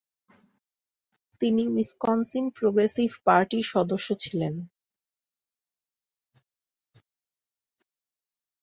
তিনি Wisconsin Progressive পার্টির সদস্য ছিলেন।